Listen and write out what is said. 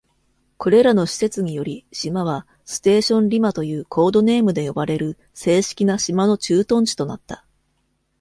これらの施設により、島は「ステーション・リマ」というコードネームで呼ばれる正式な島の駐屯地となった。